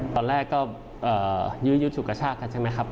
ตอนแรกก็ยื้อยุดฉุกกระชากกันใช่ไหมครับ